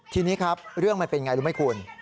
ทีนี้ครับเรื่องมันเป็นอย่างไรรู้ไหมคุณ